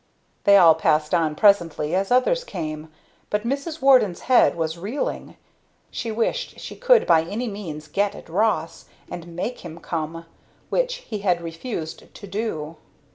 They all passed on presently, as others came; but Mrs. Warden's head was reeling. She wished she could by any means get at Ross, and make him come, which he had refused to do.